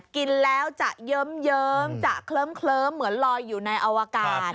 กินแล้วจะเยิ้มจะเคลิ้มเหมือนลอยอยู่ในอวกาศ